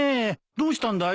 どうしたんだい？